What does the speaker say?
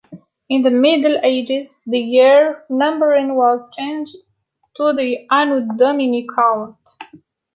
In the middle ages, the year numbering was changed to the Anno Domini count.